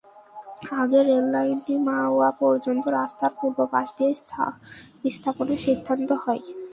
আগে রেললাইনটি মাওয়া পর্যন্ত রাস্তার পূর্ব পাশ দিয়ে স্থাপনের সিদ্ধান্ত হয়।